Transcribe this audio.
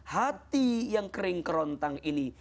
hati yang kering kerontang ini